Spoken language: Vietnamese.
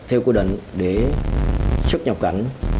theo quy định để xuất nhập cảnh